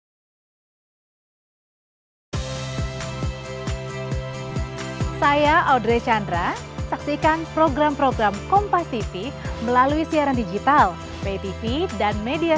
hai saya audrey chandra saksikan program program kompas tv melalui siaran digital ptv dan media